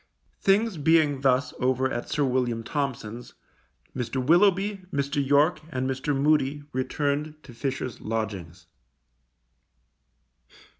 Things being thus over at Sir William Thompson's, Mr. Willoughby, Mr. York, and Mr. Moody, returned to Fisher's lodgings.